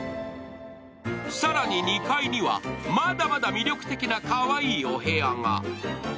更に２階には、まだまだ魅力的なかわいいお部屋が。